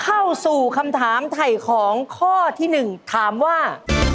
เข้าสู่คำถามไถ่ของข้อที่๑ถามว่า